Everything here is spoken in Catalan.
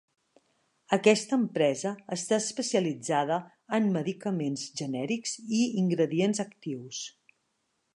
Aquesta empresa està especialitzada en medicaments genèrics i ingredients actius.